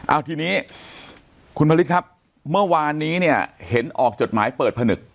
เอาทีนี้คุณผลิตครับเมื่อวานนี้เนี่ยเห็นออกจดหมายเปิดผนึก